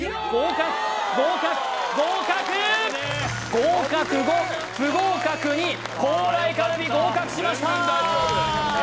合格５不合格２高麗カルビ合格しましたー